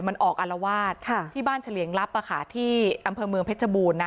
มันออกอารวาสที่บ้านเฉลี่ยงลับที่อำเภอเมืองเพชรบูรณ